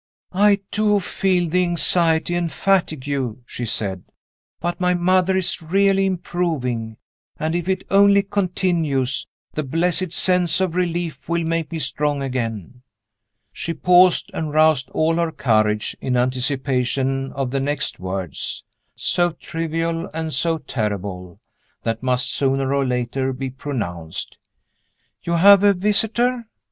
"I do feel the anxiety and fatigue," she said. "But my mother is really improving; and, if it only continues, the blessed sense of relief will make me strong again." She paused, and roused all her courage, in anticipation of the next words so trivial and so terrible that must, sooner or later, be pronounced. "You have a visitor?"